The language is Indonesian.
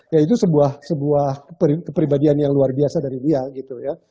ya itu sebuah kepribadian yang luar biasa dari dia gitu ya